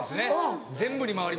全部に回りますもんね。